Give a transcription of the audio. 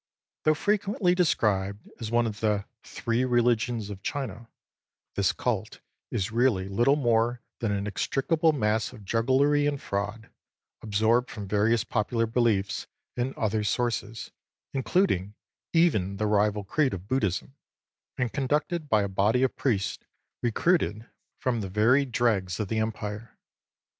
Though frequently described as one of the " three religions of China," this cult is really little more than an inextricable mass of jugglery and fraud, absorbed from various popular beliefs and other sources, including even the rival creed of Buddhism, and conducted by a body of priests recruited from 17 the very dregs of the Empire.